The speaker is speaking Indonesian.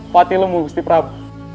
pati lemu husti prabu